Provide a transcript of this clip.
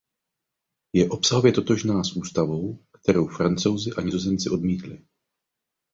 Je obsahově totožná s ústavou, kterou Francouzi a Nizozemci odmítli.